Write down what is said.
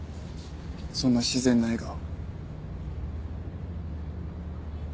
そんな自然な笑顔。